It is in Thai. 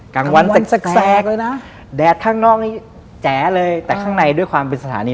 กลางวันแสกเลยนะแดดข้างนอกนี้แจ๋เลยแต่ข้างในด้วยความเป็นสถานี